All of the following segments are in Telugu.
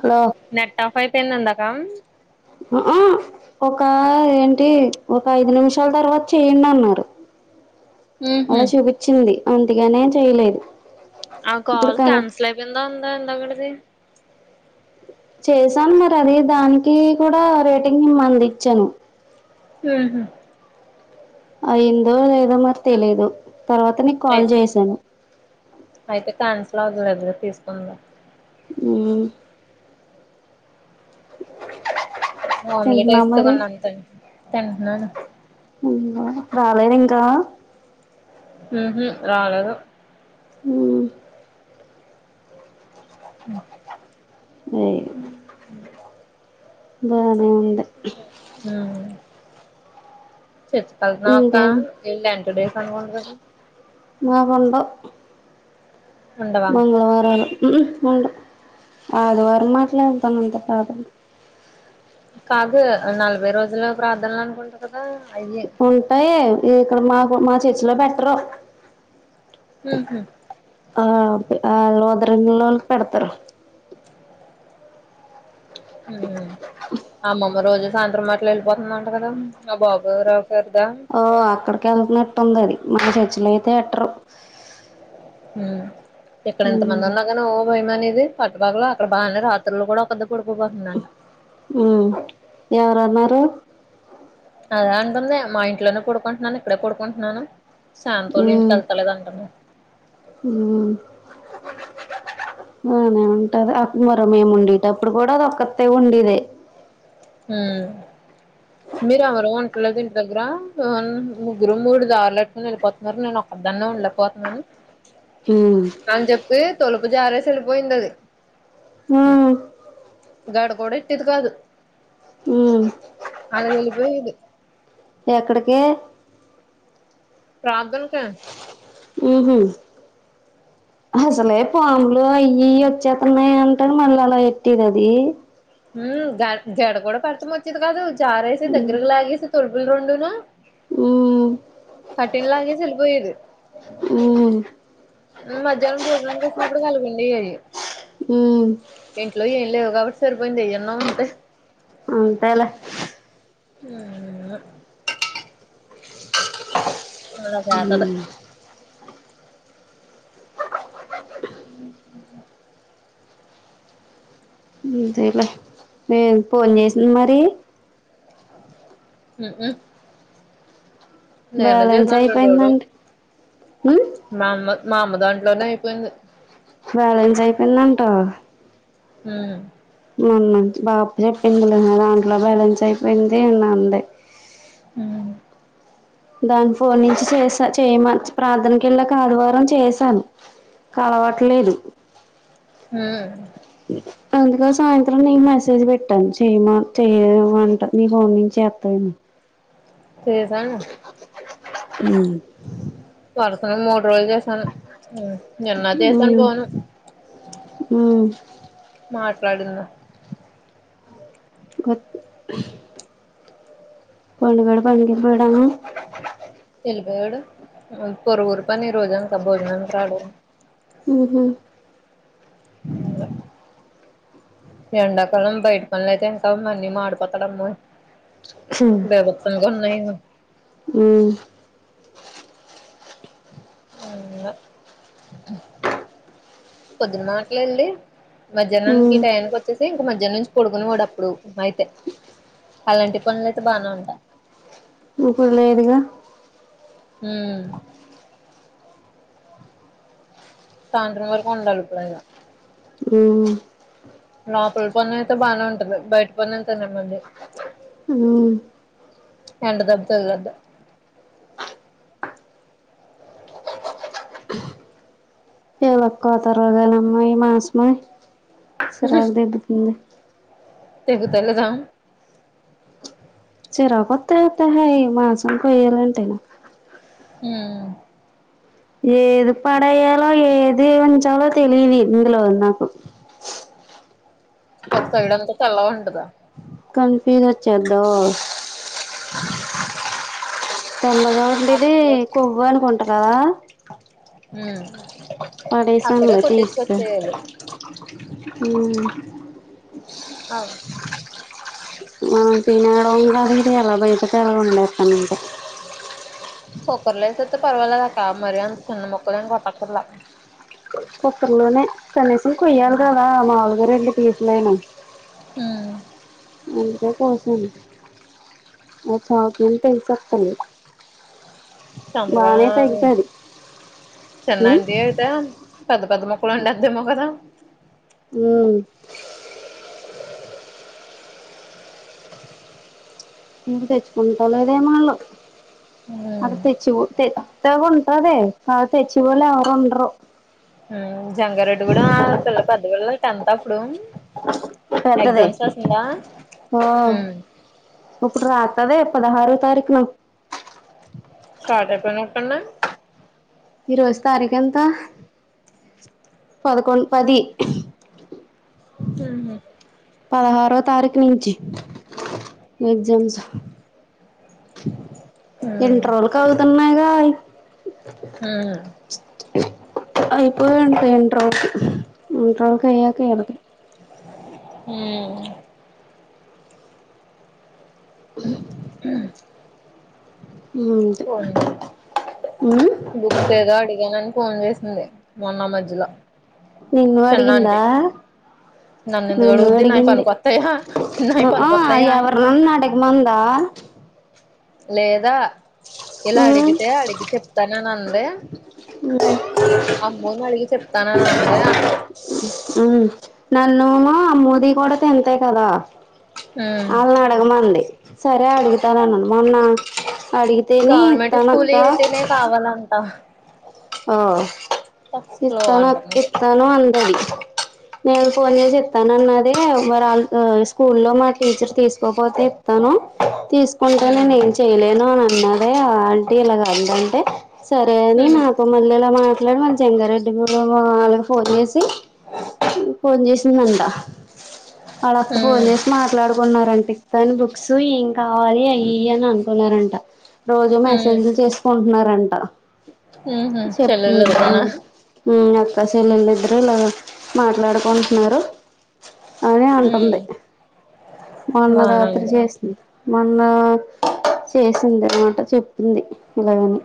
హలో నెట్ ఆఫ్ అయిపోయిందా ఉందాక ఆ ఒక ఏంటి ఒక ఐదు నిమిషాల తర్వాత చెయ్యండి అన్నారు ఉహు అలా చూపిచ్చింది అందుకనే చేయలేదు ఆ ఇప్పుడు కాల్ కానీ కాన్సల్ అయిపోయిందా ఉందా ఇందాకటది చేశాను మరి అది దానికి కూడా రేటింగ్ ఇమంది ఇచ్చాను ఉ హ్మ్ అయిందో లేదో మరి తెలీదు తర్వాత నీకు కాల్ చేశాను అయితే [inaudible] తీసుకుందా ఉమ్ ఆమ్లెట్ తింటున్నావా మరి వేస్తుగున్న అంతే తింటన్నాను రాలేదు ఇంకా ఉ హ్మ్ రాలేదు ఉమ్ అ ఏ బాగుంద్ హ్మ్ చెప్పల్ నాకా ఇంకేం ఇలా ఎంతడేస్ అనుకుంట మాకుండవ్ ఉండవా మంగళవారాలు ఉ హ్మ్ ఉంట అది వారం మాట్లాడతాను అంత కాదు కాదు నలభై రోజులు ప్రార్థనలు అనుకుంటా కదా అయ్యి ఉంటాయి ఇక్కడ మాకు మా చెర్చిలో పెట్టరు ఉహు ఆ [unintelligible] పెడతారు ఉమ్ అమ్మమ్మ రోజు సాయంత్రం అట్ల వెళ్ళిపోతుందంట కదా ఆ బాబు ఎవరో ఓ అక్కడికి వెళ్తున్నట్టు ఉంది అది మన చర్చిలో అయితే ఎట్టరు ఇక్కడ ఇంత మంది ఉన్నా కాని ఓ భయమనేది పట్టుపగలో అక్కడ బాగానే రాత్రులు కూడా ఒక ఉమ్ ఎవరు అన్నారు అదే అంటుంది మా ఇంట్లోనే పోడుకుంటున్నాను ఇక్కడే పోడుకుంటున్నాను శాంతోల్ల ఉమ్ ఇంటికి వెళ్తలేదంటను ఉమ్ అనే ఉంటది అప్పురు మేము ఉండేటప్పుడు కూడా అది ఒక్కతే ఉండేదే హా మీరు ఎవరు ఉంట్లేదా ఇంటి దగ్గర ముగ్గురం మూడు దారులు పెట్టుని వెళ్ళిపోతున్నారు నేను వద్దన్న ఉండలేకపోతున్నాను ఉమ్ అన్జెప్పి తొలుపు జారేసెలిపోయిందది ఉమ్ దడ గూడా ఎట్టేది దు ఉమ్ అలా వెళ్లిపోయేది ఎక్కడికి ప్రధానకే ఉహు అసలే పాములు అయి ఇయి వచ్చేతున్నాయి అంటడు మళ్ళీ అలా ఎట్టిది అది ఉమ్ గ జడ కూడా పడతం వచ్చేది కాదు జారేసి ఉమ్ దగ్గరకి లాగేసి తులుపులు రెండును ఉమ్ కటిన్లాంగెసి వెళ్ళిపోయేది ఉమ్ మధ్యాహ్నం భోజనానికి వచ్చినప్పుడు కలుగండేయి అయి ఉమ్ లేవు కాబట్టి సరిపోయింది అయిన్న ఉంటే అంతేలే ఉమ్ ఆ గ్యాతదు అ అంతేలే నే ఫోన్ చేసింది మరి ఉ ఉ నిన్న బ్యాలెన్స్ చేసాంటండోడు అయిపోయిందంట ఉమ్ మా అమ్మ మా అమ్మ దాంట్లోనే అయిపోయింది బ్యాలెన్స్ అయిపోయిందంట హ్మ్మ్ మన్న బాప చెప్పిందిద దాంట్లో బ్యాలెన్స్ అయిపోయింది అ అంది ఉమ్ దానికి ఫోన్ నుంచి చేసా చేయమ ప్రార్థనక వెళ్ళక ఆదివారం చేసాను కలవట్లేదు హ్మ్మ్ అందుకోసం సాయంత్రం నీను మెసేజ్ పెట్టాను చేయమ చేయ అంట నీ ఫోన్ నుంచి చేస్త చేసాను ఉమ్ సాను మూడు రోజులు చేసాను నిన్న చేసాను ఉమ్ పోను ఉమ్ మాట్లాడిందా గోత్ పండుగాడు పనికి వెళ్ళిపోయాడా వెళ్ళిపోయాడు పొరుగురికి పని రోజు అంతా భోజనానికి రాడు ఉహు ఇంగా ఎండాకాలం బయట పనులయితే ఇంకా మన్ని మాడిపోతడమ్మ బీభత్సంగా ఉన్నాయో ఉమ్ [unintelligible] పొద్దున మాటలుళ్డి మధ్యాహ్నానికి ఉమ్ టయానికి వచ్చేసి ఇంక మధ మధ్యాహ్నం నుంచి పడుకునే వాడు అప్పుడు అయితే అలాంటి పనులు అయితే బానే ఉంటా ఎప్పుడు లేదుగా హ సాయంత్రం వరకు ఉండాలి ఇప్పుడుైద ఉమ్ లోపల పొన్న అయితే బాగానే ఉంటది బయట పన్నంతనే మంది హు ఎండ [unintelligible] ద తెగాంతా ఏలాక్కువ తర్గాలమ్మా ఈ మాసమ శరాగ దిబ్బతుంది [unintelligible] తెగుతలేదా చరా [unintelligible] కొత్త అత్త హ మాసంఖాలంటనా ఆ ఏది పడయాలో ఏది వంచాలో తెలిదు ఇందులో వ నాకు ఒక సైడ్ అంతా తెల్ల ఉంటదా కన్ఫ్యూజ్ వచ్చేది తెల్లగా ఉంది ఇది అక్కడ కొవ్వు అనుకుంటారు కదా ఉమ్ అక్కడే పడేేశంలో తీసి కొట్టించుకొచ్చేయాలి అ అవును పన్నడవ అది ఎర బేటతేరవ ఉండకనే [unintelligible] కొక్కర్లేసతే పర్వాలదాకా మరింత చిన్న మొక్కలుం కొట్టకుర్లా కుక్కర్లోనే కనీసం కొయ్యాలి కదా మాములుగా రెండు పసులు అయినా అ అందుకే కోసము అా ఎంత హసబ త లే [unintelligible] చంద్రగా ఉమ్ చిన్నంటి అయితే పెద్ద పెద్ద మొక్కలు ఉండందేమో కదా హు నువ్వు తెచ్చుకుంటాలో అదేమల్లు ఉమ్ అది తెచ్చి అ ఉంట్రదే అ తెచ్చి పోలే ఎవరు ఉండరు జంగారెడ్డి కూడా పిల్ల పెద్ద పిల్ల ఎంత అప్పుడు పెద్దది ఎగ్జామ్స్ వస్తుందా ఓ ఇప్పుడు రాతదే పదహారో తారీఖున పాటా నకున్న [unintelligible] ఈరోోజు తారీఖు ఎంత పదకొండు పది హ పదహారో తారీఖు నుంచి ఎగ్జామ్స్ ఇంటర్ లోళ్లకుఅవుతున్నాయిగా హ అయిపోయింట ఇంటరు ఇంటర్ క అయ్యాక ఇలకి అ అ అంతే ఉమ్ బుక్స్ ఏదో అడిగానని ఫోన్ చేసింది మొన్న ఆ మజ్జిలో నిన్ను అడిగిందా ఎందుకు నన్ను అడుగుద్ది నాయి అడిగింది పనికొత్తాయా నాయి ఆ పనికొత్తాయా ఎవరు నన్న అడగమందా లేదా ఇలా ఉమ్ అడిగితే అడిగి చెప్తానని అందే అమ్మోని అడిగి చెప్తానని అందే అన్న ఉ నన్ను మోది కూడా తింతాయి కదా. ఉమ్ వాళ్ళని అడగమంది సరే అడుగుతాను మొన్న అడిగితేనే గవర్నమెంట్ స్కూల్ ఇస్తానక్క అయితేనే కావాలంట ఆ ఓ ఫస్ట్ లో ఇస్తానక్క అంటుంది ఇస్తానక్క అందండి. నేను ఫోన్ చేసి ఇత్తాను అన్నది స్కూల్ లో మా టీచర్ తీసుకోపోతే ఇత్తాను. తీసుకుంటే ఉమ్ నేను ఏం చేయలేను అని అన్నారే ఆంటీ ఇలాగ అందంటే. సరే నీ ఉమ్ అన్నా ఇలా మాట్లాడు, మళ్ళా చెంగారెడ్డిరు వాళ్ళకి ఫోన్ చేసి ఫోన్ చేసిందంట వాళ్ళక్క ఫోన్ ఉమ్ చేసి మాట్లాడుకుంట అనుకున్నారంట తాని బుక్స్ ఏం కావాలి అయి ఈయి అని అనుకున్నారంట రోజు ఉమ్ మెసేజ్లు చేసుకుంటున్నారంట. ఉహు చెప్పంది చెల్లెలిద్దరునా అక్కాచెల్లలిద్దరు ఇలా మాట్లాడుకుంటున్నారు అని ఉమ్ అంటుంది. మొన్న రాత్రి బానండి చేసింది మొన్న చేసింది అన్నమాట చెప్పింది. ఇలాగని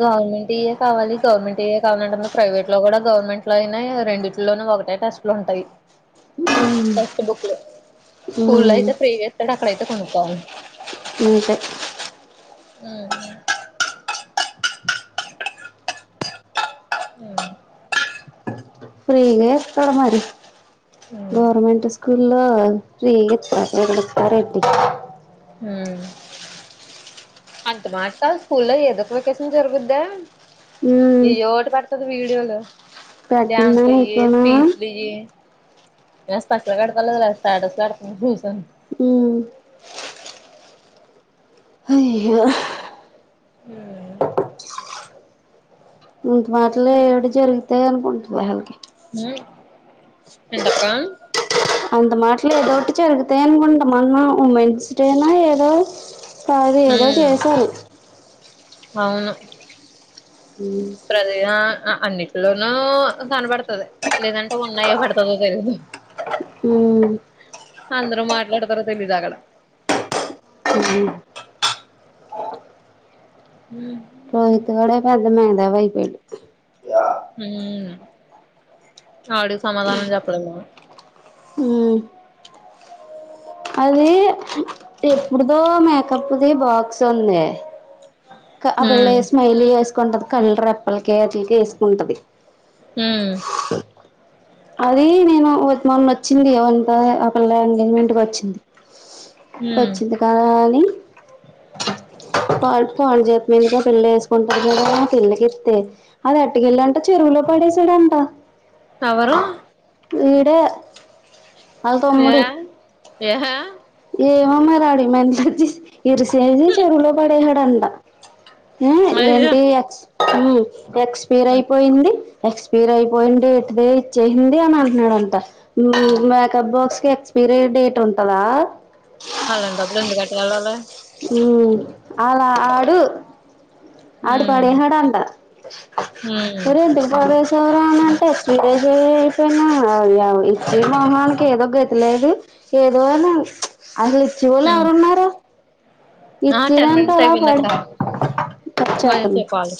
గవర్నమెంటు యే కావాలి గవర్నమెంట్ కావాలంట ప్రైవేట్ లో కూడా, గవర్నమెంట్ లో అయినా రెండింటిలోనే ఒకటే టెస్టులు ఉంటాయి. మ్ స్కూల్ లో అయితే ఫ్రీ ఇస్తాడు అక్కడయితే కొనుక్కోవాలి. ఇంతే ఉ ఉ ఫ్రీగా తడ మరి ఉమ్ గవర్నమెంటు స్కూల్ హలో శీ [unintelligible] ఇత్తారేంటి మ్ అంత మాట కాలు స్కూల్లో ఏదో ఒక వెకేషన్ జరుగుద్దా ఈ ఏదో ఒకటి పెడు వీడియోలో డ్యాన్స్ లే, పెట్టిందని ఇట్లనా స్పీచ్ లే పచ్చలా కడతాలస్తటాసలు కతుూస [unintelligible] ఉమ్ అయ్యో ఆ ఇంత మాటలో ఏడు జరుగుతాయి అనుకుంటుది వాళ్ళకి. ఏంటక్కా అంత మాట్లా ఏదో ఒకటి జరుగుతాయి అనుకుంటా, మొన్న ఉమెన్స్ డే నో ఏదో సారి, ఏదో హ్మ్ చేసారు. అవును అ ప్రడుద [unintelligible] అన్నింటిలోనూ కనపడుతుంది లేదంటే ఉన్నాయో పడుతాదో తెలీదు. మ్ అందరూ మాట్లాడతారు తెలీదాగడ అ [unintelligible] మ్ రోహిత్ గాడే పెద్ద మేధావి అయిపోయిండు. ఉ ఆడి కి సమాధానం చెప్పలేం. మ్ అది ఎప్పుడుదో మేకప్ది బాక్స్ ఉంది. ఆ పిల్ల హ్మ్ స్మైలీ వేసుకుంటాది కళ్ళు రెప్పలకి వాట్లీకి వేసుకుంటది. ఉమ్ అది నేను వ మొన్న వచ్చింది ఎవంత ఆ పిల్ల ఎంగేజ్మెంటికి వచ్చింది. హ్మ్ పచ్చింది కాదా అది. పాల్ పాల్ చేతముందుకే పిళ్ళ వేసుకుంటది కదా ఆ పిళ్లకి ఇస్తే అది అట్టుకెళ్ళంట చెరువు లో పడేశడంట ఎవరు ఇదే ఆళ్ళ ఏ తమ్ముడు ఏ ఏమోమరి రాడి మెంటల్ వచ్చిసి ఇరిసేసి చెరువులో పడేసడంట ఏ అయ్యో ఏంటి ఎక్ ఉమ్ ఎక్స్పైర్ అయిపోయింది ఎక్స్పైర్ అయిపోయింది డేట్ దే యి చేయింది అని అంటున్నాడుంట మ్యాకప్ బాక్స్ కి ఎక్స్పైరీ డేట్ ఉంటందా. అట్లాంట అప్పుడు ఎందుకు అట్లుకేలలి ఉమ్ అలా ఆడు ఆడు హ్మ్ పాడేసాడంట హ్మ్ ఒరేయ్ ఎందుకు పడేశావుర అంట్ ఎక్స్పరి డేట్ అయిపోయినా ఎవడు ఇచ్చే మొహానికి ఏదో గతి లేదు ఏదో ఉహు, ఉంచ్ అది ఇచ్చేవాళ్ళు హ్మ్ ఎవరు ఉన్నారు ఆ టెన్ మినిట్స్ పడి అయిపోయిందక్క కట్ మళ్ళీ చేస్తున్నాం చేయ్ కాల్